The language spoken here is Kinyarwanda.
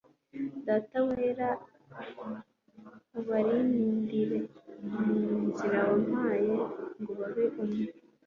Data wera, ubarindire mu izina wampaye ngo babe umwe